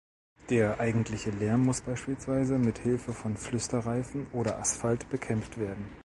Der eigentliche Lärm muss beispielsweise mit Hilfe von Flüsterreifen oder -asphalt bekämpft werden.